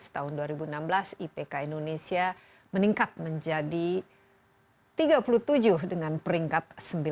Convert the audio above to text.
tahun dua ribu enam belas ipk indonesia meningkat menjadi tiga puluh tujuh dengan peringkat sembilan